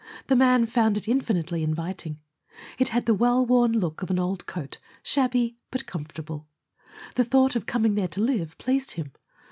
The man found it infinitely inviting. It had the well worn look of an old coat, shabby but comfortable. The thought of coming there to live pleased him.